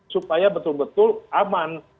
supaya betul betul aman